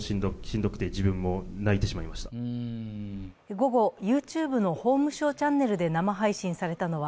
午後、ＹｏｕＴｕｂｅの法務省チャンネルで生配信されたのは